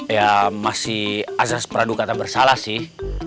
ya masih azas pradu kata bersalah sih